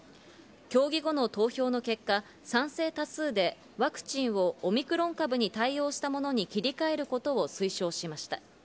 協議後の投票の結果、賛成多数でワクチンをオミクロン株に対応したものに切り替えることを推奨しました。